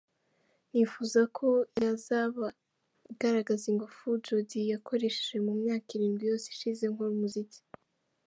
Nifuza ko yazaba igaragaza ingufu Jody yakoresheje mu myaka irindwi yose ishize nkora umuziki.